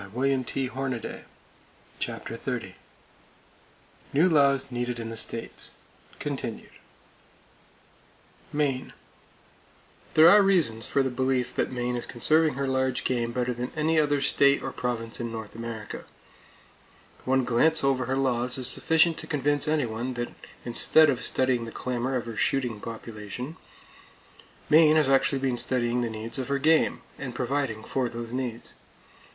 [Page 283] CHAPTER XXX NEW LAWS NEEDED IN THE STATES (Continued) Maine: There are reasons for the belief that Maine is conserving her large game better than any other state or province in North America. One glance over her laws is sufficient to convince anyone that instead of studying the clamor of her shooting population, Maine has actually been studying the needs of her game, and providing for those needs.